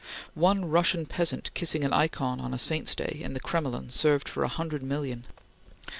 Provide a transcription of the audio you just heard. One Russian peasant kissing an ikon on a saint's day, in the Kremlin, served for a hundred million.